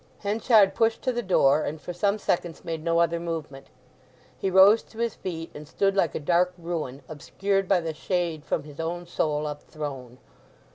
Henchard pushed to the door, and for some seconds made no other movement. He rose to his feet, and stood like a dark ruin, obscured by "the shade from his own soul up thrown."